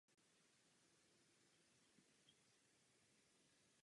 Scénář napsal Jakub Dušek.